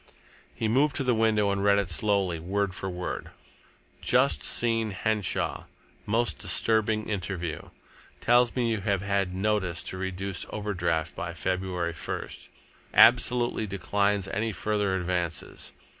He moved to the window and read it slowly, word for word: "Just seen Henshaw. Most disturbing interview. Tells me you have had notice to reduce overdraft by February 1st. Absolutely declines any further advances.